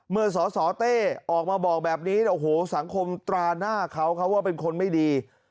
สสเต้ออกมาบอกแบบนี้โอ้โหสังคมตราหน้าเขาเขาว่าเป็นคนไม่ดี